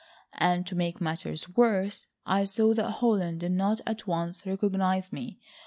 And to make matters worse, I saw that Holland did not at once recognise me.